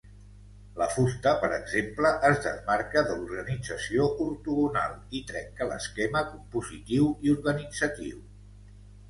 La fusta, per exemple, es desmarca de l'organització ortogonal i trenca l'esquema compositiu i organitzatiu.